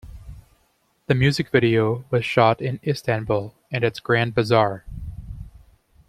The music video was shot in Istanbul, and its Grand Bazaar.